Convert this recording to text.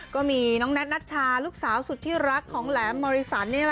ก็มีน้องแนทนัชชาลูกสาวสุดที่รักของแหลมมริสัน